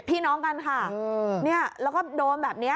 พี่น้องกันค่ะเนี่ยแล้วก็โดนแบบนี้